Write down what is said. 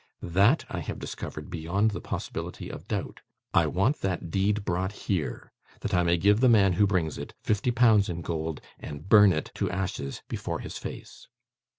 THAT I have discovered beyond the possibility of doubt. I want that deed brought here, that I may give the man who brings it fifty pounds in gold, and burn it to ashes before his face.